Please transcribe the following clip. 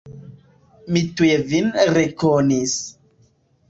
Mi tuj vin rekonis.